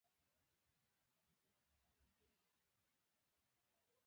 جانداد د وفا ریښتینی مثال دی.